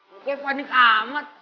pokoknya panik amat